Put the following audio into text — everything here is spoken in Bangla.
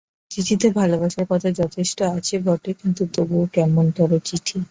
চিঠিতে ভালোবাসার কথা যথেষ্ট আছে বটে, কিন্তু তবু এ কেমনতরো চিঠি!